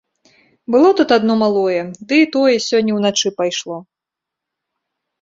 Было тут адно малое, ды і тое сёння ўначы пайшло.